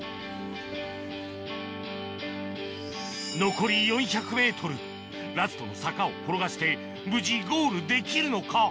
残り４００ｍラストの坂を転がして無事ゴールできるのか？